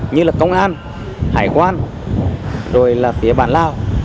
như là công an hải quan rồi là phía bản lao